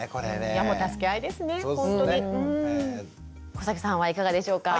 小さんはいかがでしょうか？